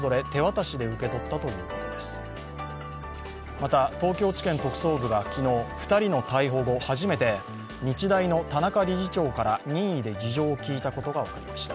また、東京地検特捜部が昨日、２人の逮捕後、初めて日大の田中理事長から任意で事情を聴いたことが分かりました。